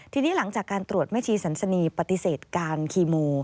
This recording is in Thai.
ทีนี้หลังจากการตรวจแม่ชีสันสนีปฏิเสธการคีโม